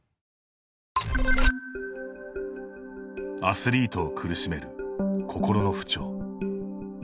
アスリートを苦しめる心の不調。